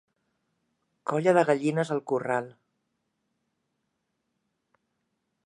Colla de gallines al corral.